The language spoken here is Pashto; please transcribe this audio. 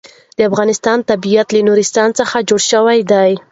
د افغانستان طبیعت له نورستان څخه جوړ شوی دی.